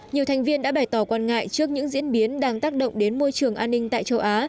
nhiều thành viên đã bày tỏ quan ngại trước những diễn biến đang tác động đến môi trường an ninh tại châu á